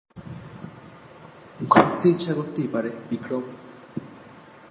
ঘুরতে ইচ্ছা করতেই পারে, বিক্রম!